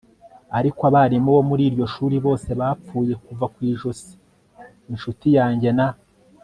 ariko abarimu bo muri iryo shuri bose bapfuye kuva ku ijosi. inshuti yanjye na